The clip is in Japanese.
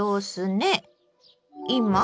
今？